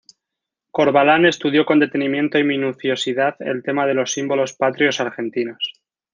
Corvalán estudió con detenimiento y minuciosidad el tema de los símbolos patrios argentinos.